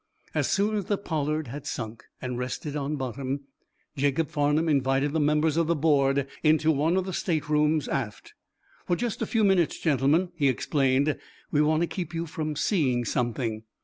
As soon as the "Pollard" had sunk, and rested on bottom, Jacob Farnum invited the members of the board into one of the staterooms aft. "For just a few minutes, gentlemen," he explained, "we want to keep you from seeing something."